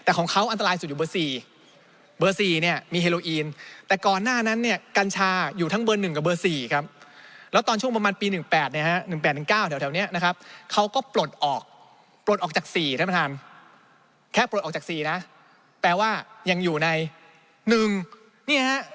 เอาไว้๔ตาราง๔ประเภทแล้วกัน